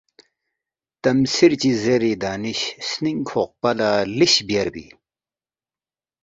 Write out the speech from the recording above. تم ژھیر چی زیری دانش ؔ سنینگ کھوقپا لا لش بیاربی